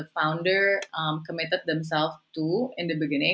yang dimutuskan oleh pemilik